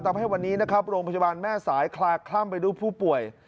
ทำให้วันนี้นะครับโรงพยาบาลแม่สายคลาคล่ำไปด้วยผู้ป่วย